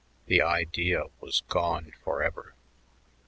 The idea was gone forever.